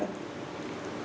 tức là chính hãng